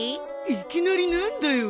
いきなり何だよ。